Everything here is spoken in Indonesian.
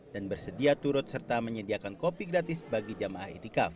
dan bersedia turut serta menyediakan kopi gratis bagi jamaah etikaf